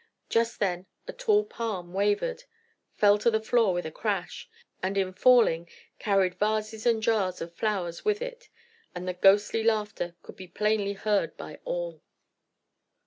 Just then a tall palm wavered, fell to the floor with a crash, and in falling, carried vases and jars of flowers with it, and the ghostly laughter could be plainly heard by all.